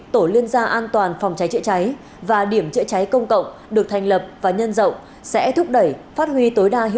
tổ liên gia an toàn phòng trái trị trái điểm trị trái công cộng hay các tổ phòng trái trị trái